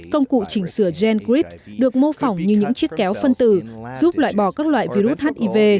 công cụ chỉnh sửa gen grif được mô phỏng như những chiếc kéo phân tử giúp loại bỏ các loại virus hiv